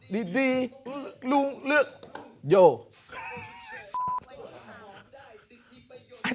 ดีรุงเลือก